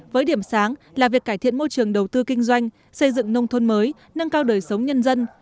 với điểm sáng là việc cải thiện môi trường đầu tư kinh doanh xây dựng nông thôn mới nâng cao đời sống nhân dân